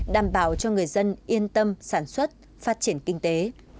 đảm bảo cho người dân yên tâm sản xuất phát triển kinh tế